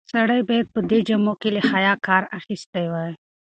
سړی باید په دې جامو کې له حیا کار اخیستی وای.